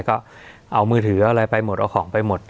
ก็เอามือถืออะไรไปหมดเอาของไปหมด